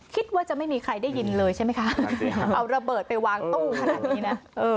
คิดว่าจะไม่มีใครได้ยินเลยใช่ไหมคะเอาระเบิดไปวางตู้ขนาดนี้นะ